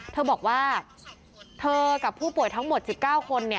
เธอบอกว่าเธอกับผู้ป่วยทั้งหมด๑๙คน